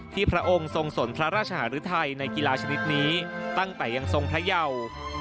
พระองค์ทรงสนพระราชหารุทัยในกีฬาชนิดนี้ตั้งแต่ยังทรงพระเยา